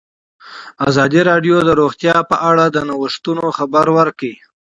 ازادي راډیو د روغتیا په اړه د نوښتونو خبر ورکړی.